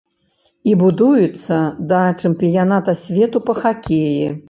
І будуецца да чэмпіяната свету па хакеі.